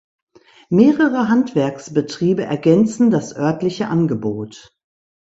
Mehrere Handwerksbetriebe ergänzen das örtliche Angebot.